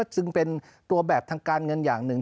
ซึ่งเป็นตัวแบบทางการเงินอย่างหนึ่ง